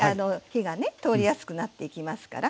火がね通りやすくなっていきますから。